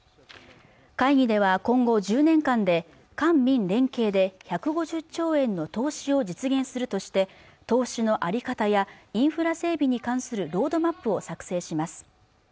会議では今後１０年間で官民連携で１５０兆円の投資を実現するとして投手の在り方やインフラ整備に関するロードマップを作成します